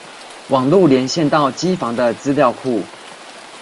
網路連線到機房的資料庫